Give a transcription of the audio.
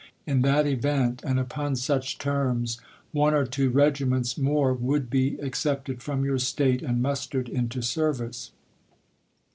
In that event, and upon such terms, one or two regiments more SfoK would be accepted from your State and mustered w*/r?' vol into service."